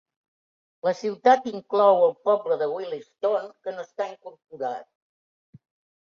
La ciutat inclou el poble de Williston, que no està incorporat.